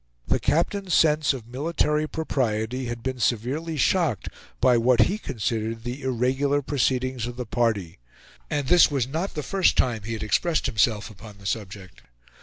The captain's sense of military propriety had been severely shocked by what he considered the irregular proceedings of the party; and this was not the first time he had expressed himself upon the subject.